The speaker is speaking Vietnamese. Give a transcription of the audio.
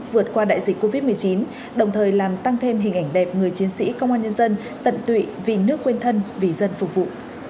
vượt qua đại dịch covid một mươi chín đồng thời làm tăng thêm hình ảnh đẹp người chiến sĩ công an nhân dân tận tụy vì nước quên thân vì dân phục vụ